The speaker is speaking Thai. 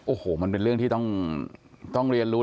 โอ้โหมันเป็นเรื่องที่ต้องเรียนรู้